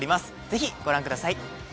ぜひご覧ください。